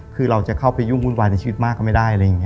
คือเราจะเข้าไปยุ่งวุ่นวายในชีวิตมากก็ไม่ได้